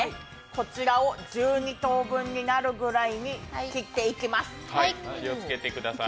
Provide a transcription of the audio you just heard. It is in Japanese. こちらを１２等分になるぐらいに切っていきます。